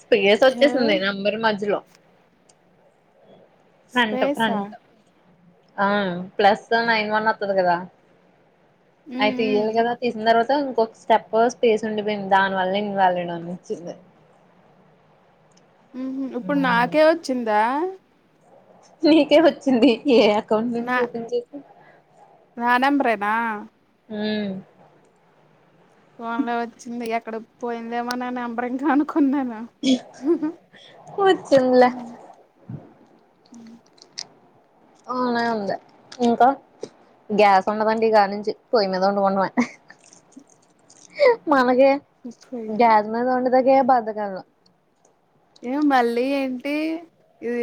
Space ఏ వచ్చేసింది number మజ్యలో ఫ్రంట్ స్పేసా ఫ్రంట్ ఆ ప్లస్ నైన్ వన్ అత్తదు కదా మ్మ్ ఆయితే ఇయ్యాల గదా తీసిన తర్వాత సో ఇంకొక స్టెప్ స్పేస్ ఉండిపోయింది దాని వల్ల ఇన్వాలిడ్ అని వచ్చింది ఉమ్ ఇప్పుడు నాకే వచ్చిందా నీకే వచ్చింది ఏ అకౌంట్ నుంచి ఓపెన్ చేసి నా నెంబర్ ఏ నా ఉమ్ ఫోన్ లో వచ్చింది ఎక్కడికి పోయిందేమో నా నంబర్ ఇంకా అనుక వచ్చింద్ల ఉమ్ అవునా ఉంది ఇంకా గ్యాస్ ఉండదండి ఇక నుంచి పొయ్యి మీద వండుకోడమే మనకు పోయింది గ్యాస్ మీద వండితే [unintelligible] బాధ కను ఏ మళ్ళీ ఏంటి ఇది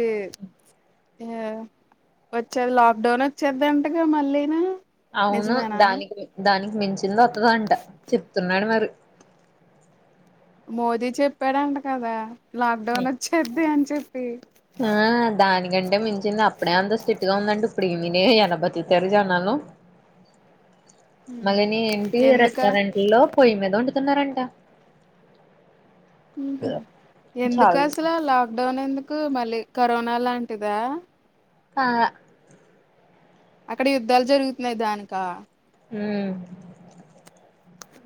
వచ్చేది లాక్డౌన్ వచ్చేదింటగా మళ్ళీనా అవును దానికి దానికి మించింది వత్తదంట చెప్తున్నాడు మరి మోదీ చెప్పాడంట కదా లాక్ డౌన్ వచ్చేద్ది అని చెప్పి ఎందుకంటే మించింది అప్పుడే అంత స్స్ట్రిక్ట్ గా ఉందండి ఇప్పుడు [unintelligible] ఎలా బతుకుతారు జనాలు మళ్ళీ ఉమ్ నీ ఏంటి ఎందుక రెస్టారెంట్ లో పోయి మీద వండు తున్నారంట ఉహూ ఎందుకు అసలు లాక్డౌన్ ఎందుకు మళ్ళీ కరోనా లాంటిదా ఆ అక్కడ యుద్ధాలు జరుగుతున్నాయి దానికా ఉమ్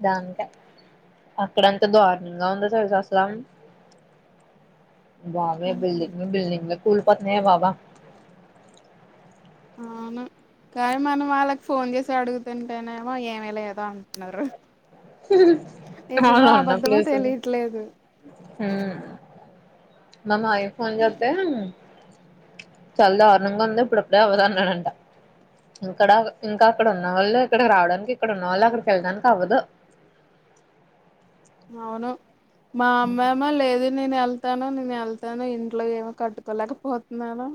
దానికే అక్కడంతా దారుణంగా ఉంది తెలుసా అసల వామే బిల్డింగ్ మీద బిల్డింగ్ [unintelligible] బాబా అవును కానీ మనం వాళ్ళకి ఫోన్ చేసి అడుగుతుంటేనేమో ఏమీ లేదు అంటున్నారు నిజమో [unintelligible] అబద్ధమో ప్లేసు ఉమ్ తెలియట్లేదు మమ్ ఆయిఫోన్ జతే చాలా దారుణంగా ఉంది ఇప్పుడప్పుడే అవ్వదు అన్నాడంట ఇంక్కడ ఇంకా అక్కడ ఉన్న వాళ్ళు ఇక్కడ రావడానికి ఇక్కడ ఉన్నవాళ్ళు అక్కడికి వెళ్ళడానికి అవ్వదు అవును మా అమ్మ ఏమో లేదు నేను వెళ్తాను నేను వెళ్తాను ఇంట్లో ఏమో కట్టుకోలేకపోతున్నాను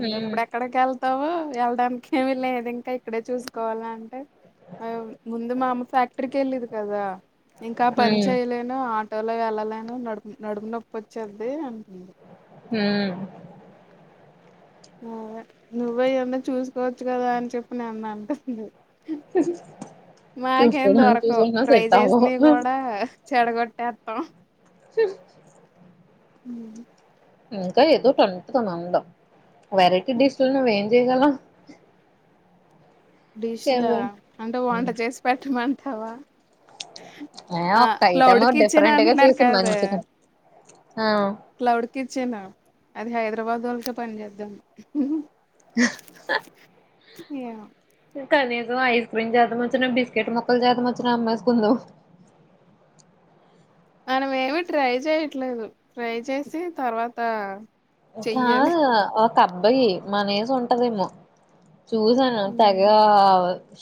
ఉంటది ఉమ్ ఇప్పుడు ఎక్కడికి వెళ్తావు వెళ్డానికి ఏమి లేదు ఇంకా ఇక్కడే చూసుకోవాల అంటే ముందు మా అమ్మ ఫ్యాక్టరీకి వెళ్ళింది కదా ఎమ్ కా పని ఉమ్ చేయలేను ఆటోలో వెళ్ళాలను నడుం నడుపు నొప్పి వచ్చేది అం మ్ నువ్వే నువ్వే ఏన్నా చూసుకోవచ్చు కదా అని చెప్పి నేన్న అంటుంది. మాకేం చూసుకోనా చూసుకోనా సెట్ అవ్వవ్ ను చెడగొట్టేత్తం హు ఉహు ఇంకా ఏదోటి అంటుదం అందం వెరైటీ డిష్లనువ్వే జేయగలం డిష్ లా అంటే వంట చేసి పెట్టమం హవ్వా ఆ ఒక్కఐటమ్ కిచెన్ డిఫరెంట్ గా అంటున్నారు చేసి కదే మంచిగా ఆ క్లౌడ్ కిచెను అది హైద తర్వత్వరగా పని చేద్దాం ఉహుహు ఏమొ కనీజం ఐస్ క్రీమ్ జాతం వచ్చిన, బిస్కెట్ మొక్కలు జాతం వచ్చిన అమ్మెస్ కుందాం. మనము ఏమి ట్రై చేయట్లేదు. ట్రై చేసి తర్వాత చెయ్యాలి కాదు అప్ అబ్బాయి మన ఏజ్ ఉంటదేమో చూసాను తెగా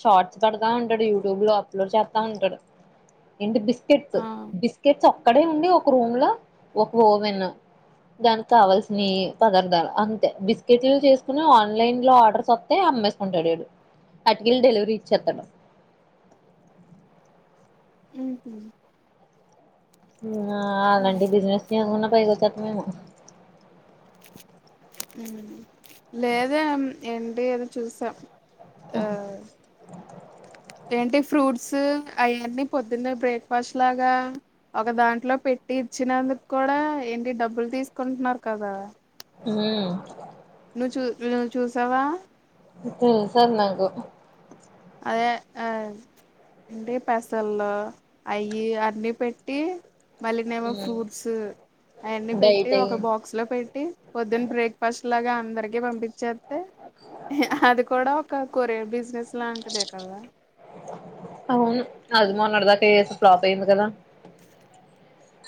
షార్ట్స్ పెడతా ఉంటాడు యూట్యూబ్ లో అప్లోడ్ చేస్తా ఉంటాడు. ఏంటి బిస్ స్కెట్స్ ఆ బిస్కెట్స అక్కడే ఉండి ఒక రూమ్ లో ఒక ఓవెన్ దానికి కావాల్సి నీ పదార్థాలు అంతే బిస్కెట్లు చేసుకుని ఆన్లైన్ లో ఆర్డర్స్ వత్తే అమ్మేసుకుంటాడు ఈడు అటుకెళ్ళి డెలివరీ ఇచ్చేత్తాడు. ఉహు ఆ అలాండి బిజినెస్లు ఏమున్నా పైకొచెత్తమేమో ఉమ్ లేదెమ్ ఎంటి అది చూసం ఆహ్ ఏంటి ఫ్రూట్స్ అయన్నీ పొద్దున్న బ్రేక్ఫాస్ట్ లాగా ఒక దాంట్లో పెట్టి ఇచ్చినందుకు కూడా ఏంటి డబ్బులు తీసుకుంటున్నారు కదా. ఉహు నువ్వు చూ నువ్వు చూసావా తెరు నాకు అదే ఏంటి పెసల్లో అయి అన్నీ పెట్టి మళ్ళీనేమో ఉమ్ ఫ్రూట్స్ అవన్నీ పెట్టి డైట్ ఒక అయి బాక్స్ లో పెట్టి పొద్దున్న బ్రేక్ఫాస్ట్ లాగా అ ఆడికి పంపి వచ్చతే అది కూడా కోర బిజినెస్ లా బల్వ అవును అది మొన్నటి దాకా ఫ్లాప్ అయింది కదా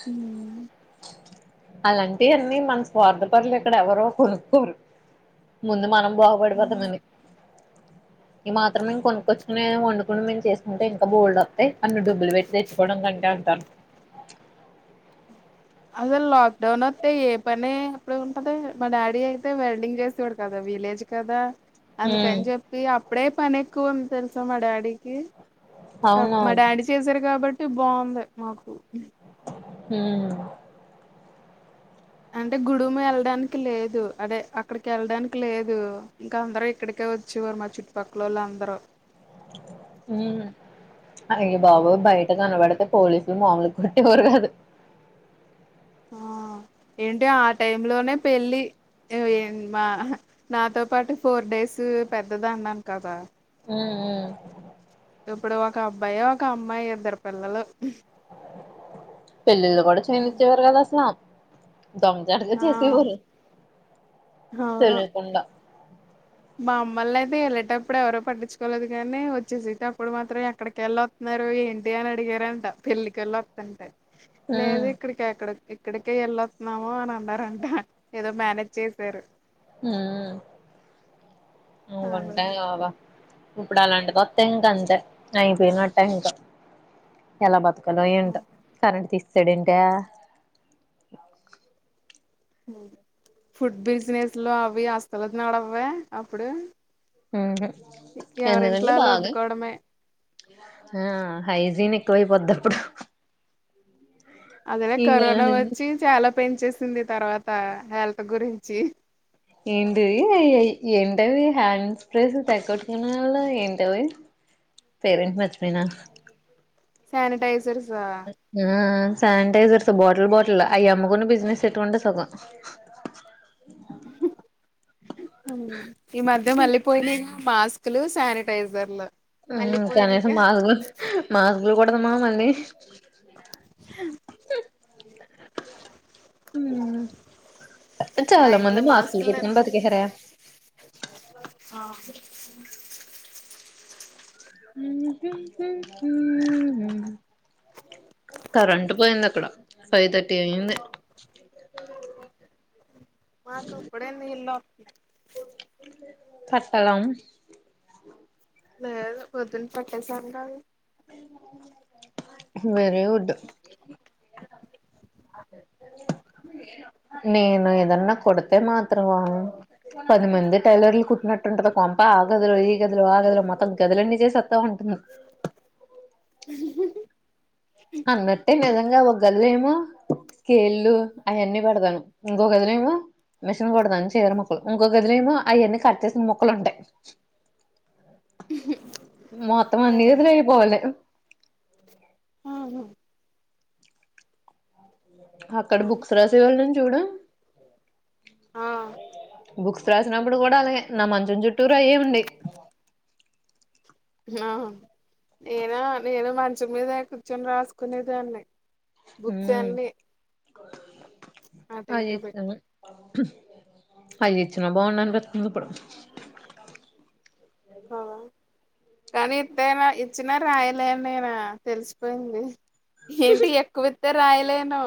హ అలాంటి అన్నీ మన స్వార్థపరులు ఇక్కడ ఎవరో కొనుక్కకోరు ముందు మనం బాగుపడిపోతామని ఇ మాత్రం కొనుక్కొచ్చుకునే వండుకుని మేము చేసుకుంటే ఇంకా బోల్డ్ అతాయి అన్ను డబ్బులు పెట్టి తెచ్చుకోవడం కంటే అంటాను అసలు లాక్ డౌన్ వస్తే ఏ పనే అప్పుడు ఉంటది మా డాడీ అయితే వెల్డింగ్ చేసేవడు కదా విలేజ్ కదా అందుకని ఉమ్ చెప్పి అప్పుడే పనే కుంత తెల్సా మ డాడికి అవును మా డాడీ చేసారు కాబట్టి బావుండే మాకు హ్మ్ అంటే గుడుము వెళ్ళడానికి లేదు అదే అక్కడికి వెళ్ళడానికి లేదు ఇంకా అందరు ఇక్కడికే వచ్చేవారు మా చుట్టుపక్కలోల్లు అందరూ హ్మ్ అయ్య బాబోయ్ బయట కనబడితే పోలీసులు మామూలు కొట్టేవారు కాదు. ఆ ఏంటి ఆ టైమ్ లోనే పెళ్ళి మా నాతో పాటు ఫోర్ డేస్ పెద్దది అన్నాను కదా ఉ ఊ ఇప్పుడు ఒక అబ్బాయి, ఒక అమ్మాయి ఇద్దరు పిల్లలు పెళ్ళిళ్ళు కూడా చేయనించేవారు కాదు అసలు దొంగ చాటుగా ఆ చేసేవారు తెలియకుండా మమ్మల్ని అయితే ఎళ్ళేటప్పుడు ఎవరో పట్టించుకోలేదు కానీ వచ్చేసేటప్పుడు మాత్రం ఎక్కడికెళ్ళి వత్తున్నారు, ఏంటి అని అడిగారంట పెళ్ళికెళ్ళి వత్తుంటె ఉమ్ లేదు ఇక్కడికి ఎక్కడో ఇక్కడికే వెళ్ళొత్తున్నాము అని అన్నారంటే ఏదో మేనేజ్ చేశారు హ్మ్ అ అలా ఉంటా గాబా ఇప్పుడు అలాంటిది వొత్తె ఇంక అంతే అయిపోయినట్టే ఇంకా ఎలా బతుకు కాలో ఏంటో కరెంట్ తీస్ సాడెంటి ఫుడ్ బిజినెస్లు అవి అస్సలు నడవ్వే అప్పుడు హుహ్ ఎవరింట్లో ఆల్లు వండుకోవడమే. ఆ హైజీన్ ఎక్కువైపోద్ది అప్పుడు అదేలే కరోనా ఇగానండి వచ్చి చాల పెంచేసింది తర్వాత హెల్త్ గురించి ఏంటిది అ ఏంటది హ్యాండ్ స్ప్రేస్ తెగ కొట్టుకునే వాళ్ళం ఏంటవి పేరెంటి మర్చిపోయినా సానిటైజర్స్ హ సానిటైజర్స్ బాటిల్ బాటిల్ అయి అమ్మకుని బిజినెస్ పెట్టుకుంటే సుఖం హ్ ఈ మధ్య మళ్ళీ పోయినయిగా మాస్కులు, సానిటైజర్లు హ్మ్ కనీసం మాస్కులు మాస్ ఉండగలమా మళ్ళీ [inaudible] [inaudible] హ్మ్ మా చాలా మంది ఇంట్లో మాస్కులు కుట్టుకొని బతికేసారే [inaudible] కరెంట్ పోయింది ఇక్కడ ఫైవ్ థర్టీ అయింది మాకు ఇప్పుడే నీళ్లులోతనై కట్టలం లేదు పొందిన పట్టేసమ్ గా వెరీ గుడ్ నేను ఏదన్నా కొడితే మాత్రం పది మంది టైలర్లు కుట్టినట్టుంటంది కొంప ఆగధిలో ఈ గదులు ఆ గదులు మొత్తం గదులన్నీ చేసస్తా ఉంటు ఊహ్మహామ్ అన్నట్టే నిజంగా ఒక గదిలో ఏమో స్కేళ్లు అవన్నీ పడతాను ఇంకోక గదిలో ఏమో మిషన్ కొడదాను చీర మొక్కలు ఇంకోక గదిలో ఏమో అవన్ని కట్టేసిన ముక్కలు ఉంటాయి ఆ మొత్తమన్నిదులుయిపోవాలి [inaudible] ఉమ్ అక్కడ బుక్స్ రాసేవొళ్ళు చూడు ఆ బుక్స్ రాసినప్పుడు కూడా అలాగే నా మంచం చుట్టూరు అయ్యే ఉండి ఆ నేనా నేను మంచ మీద కూర్చొని రాసుకునేదాన్ని బుక్స్ అన్ని అటు అ ఇటు జెస్తారు అయి ఇచ్చిన బాగుండు అనిపిస్తుంది ఇప్పుడు అ కానీ ఇతే ఇచ్చినా రాయలే అని నేనా తెలిసిపోయింది. ఏంటి ఎక్కువ్ ఇత్ త రాయలేను.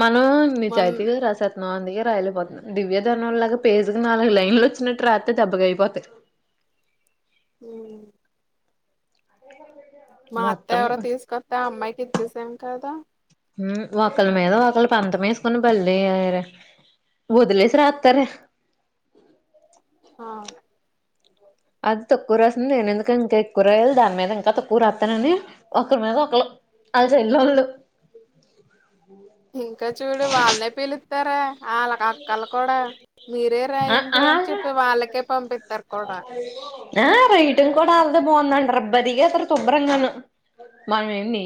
మనం మొన్ నిజాయితీగా రాస మందికే రాయాలపోతున్నాం దివ్యధర్నం లాగా పేజ్కి నాలుగు లైన్లు వచ్చిన ట్రా అతే దెబ్బగాయిపోతాయి. ఉమ్ మా అత్త మొత్తం ఎవరో తీసుకొస్తే ఆ అమ్మాయికి ఇచ్చేసాం కదా. ఒకరి మీద ఒకళ పంతం వేసుకుని బళ్ళయ్యార వదిలేసి రాతారే ఆ అది తక్కువ రాస్తుంది నేనెందుకు ఇంకా ఎక్కువ రాయాలి. దాని మీద ఇంకా తక్కువ రాస్తానని ఒకరి మీద ఒకళ వాళ్ళ చెల్ వాళ్ళు ఇంకా చూడు వాళ్ళనే పిలు తార వాళ్ళకి అక్కలు కూడా మీరే ఆ రాయండి. అని ఆల్రా చెప్పి వాళ్ళకే పంపితరు కూడా ఆ రైటింగ్ కూడా అళ్దే బాగుందండి రబ్బరిగా అ శుభ్రంగాను మన నీ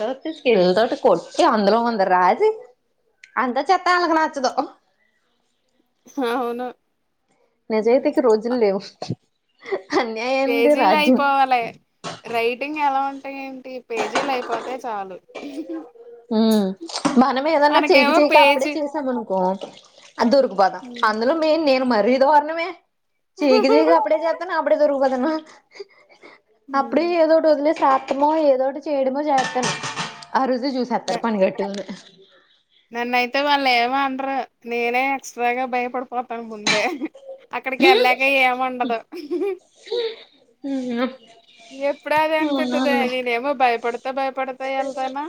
దత్ [unintelligible] స్కిల్ల్ తోటి కొట్టి అందులో ఉంది రాసి అంతా చెత్తా అళ్ళకి నచ్చదు. అవును నిజాయితీకి రోజులు లేవు. అ పేజీలో అయిపోవాలి. రైటింగ్ ఎలా ఉంట అ ఏంటి పేజీలు అయిపోతా హ మనం ఏదన్నా చేయాక మనకేమో చేయాక అప్పుడే పేజీ చేసామును. కుహ [unintelligible] అది దొరికిపోతాం అందులో మేయిన్ నే మరి దారుణమే. చేయక చేయక అప్పుడే జెత అప్పుడే దొరికిపోతాను. అప్పుడే న ఏదోటి వదులే సా ఏమో ఏదోటి చేయడుమో చేతను ఆ రోజు చూసేస్తారు పని గట్టుకొని. నన్నయితే వాళ్ళు ఏమండ్రు. నేనే ఎక్స్ట్రాగా భయపడిపోతాను ముందే అక్కడికి వెళ్ళాక ఏం ఉండదు ఎప్పుడా అది అనిపితది అవునావునులే నేనేమో భయపడుతు త భయపడుతూ వెళ్తానా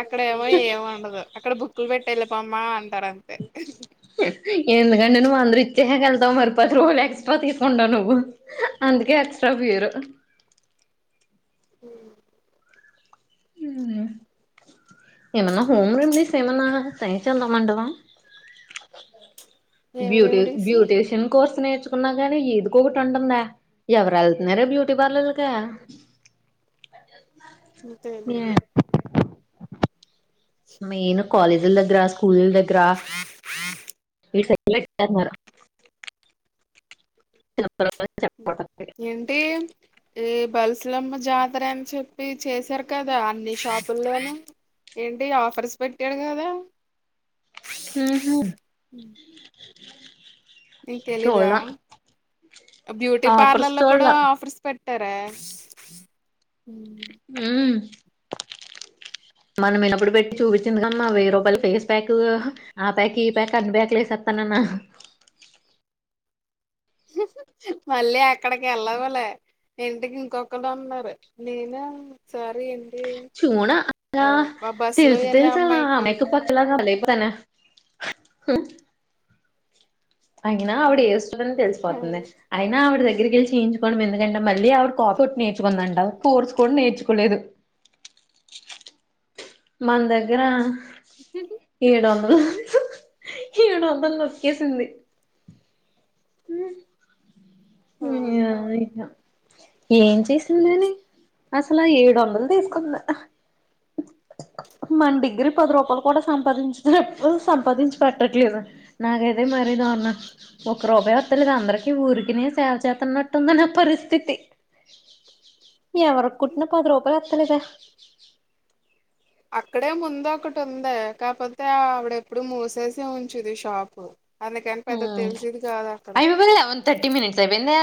అక్కడేమో ఎం ఉండదు క్కడ బుక్లు పెట్ టేళ్లిపొమ్మ టరంతే ఎందుకంటే నువ్వు అందరు ఇచ్చేక వెళ్తావు మరి పది రూపాయలు ఎక్స్ట్రా తీసుకుంటా నువ్వు అందుకే ఎక్స్ట్రా పెయరు అ అ ఏమన్న హోమ్ రేమిడిస్ సేమన్నా ట్రై చెదమంటవ ఏం బ్యూటి రెమెడీస్ బ్యూటీషన్ కోర్సినేర్ కున్నా గాని ఇదికొకటి ఉంటుందే ఎవరు వెళ్తున్నారే బ్యూటీ పార్లర్లకే అే మేను కాలేజిల్ దగ్గర స్కూల్ ద గ్గర ఈ సే [unintelligible] న్నార ట్ ఏంటి ఏ బల్సులమ్మ జాతర అని చెప్పి చేశారు కదా అన్ని షాపుల్లోను ఏంటి ఆఫర్స్ పెట్టాడు కదా మ్ హు నిక్ తెలిదా బ్యూటీ ఆఫర్స్ పార్లర్లో కూడా చూడలా ఆఫర్స్ పెట్టారే ఉ మనం వినప్పుడు పెట్టి చూపించింది కమ్మా వెయ్యి రూపాయల ఫేస్ ప్యాక్ ఆ ప్యాక్ ఈ ప్యాక్ అన్ని ప్యాకులేసేస్తానన్న మళ్ళీ అక్కడికి వెళ్ళవులే ఇంటికి ఇంకొకరు ఉన్నారు నేను ఒకసారి చూనా అక్క ఆ, మా బస్సు లో తెలుసు వెళ్ళే తెలుసా అమ్మాయికి ఆమయక పక్కలాగ బలై తనా హు అయినా ఆవిడ ఏజ్ లోనే తెలిసిపోతుందే అయినా ఆవిడ దగ్గరికెళ్లి చెఇంచుకోవడం ఎందుకంటే మళ్ళీ ఆవిడ కాఫుట్ ర్చుకుందంట కోర్స్ కూడా నేర్చుకోలేదు మన దగ్గర ఏడు వందలు ఏడు వందలు నొక్కేసింది హమ్ ఆ, ఏమో ఇక ఏం చేసిందని అసలు ఆ ఏడు వందలు తీసుకుంది మన డిగ్రీ పది రూపాయలు కూడా సంపాదించినప్పుడు సంపాదించి పెట్టట్లేదు నాకైతే మరీ దారుణం ఒక రూపాయి వస్తలేదు అందరికి ఊరికినే సేవచేస్తునట్టు ఉంది నా పరిస్థితి ఎవరు కి కుట్టిన పది రూపాయ తెలేదా అక్కడే ముందు ఒకటి ఉంది కాకపోతే ఆవిడ ఎప్పుడు మూసేసి ఉంచిది షాపు అందుకని హ పెద్ద తెలిసేది కాదు అక్కడ అయిమా [inaudible] బల ఒంద థర్టీ మిననిట్స్ అయి బందయా